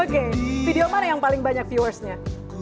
oke video mana yang paling banyak viewers nya